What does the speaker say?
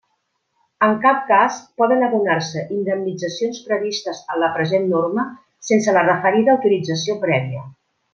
En cap cas poden abonar-se indemnitzacions previstes en la present norma sense la referida autorització prèvia.